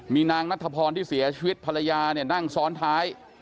มีนางนัทพรที่เสียชีวิตภรรยาเนี่ยนั่งซ้อนท้าย